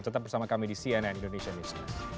tetap bersama kami di cnn indonesia news